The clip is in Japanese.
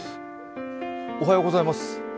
おはようございます。